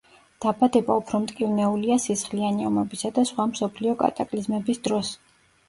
დაბადება უფრო მტკივნეულია სისხლიანი ომებისა და სხვა მსოფლიო კატაკლიზმების დროს.